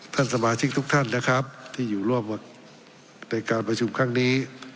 ท่านสมาชิกทุกท่านนะครับที่อยู่ร่วมในการประชุมครั้งนี้